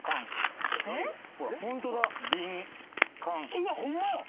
うわっホンマや！